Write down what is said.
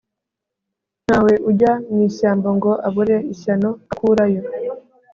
Ntawe ujya mu ishyamba ngo abure ishyano akurayo.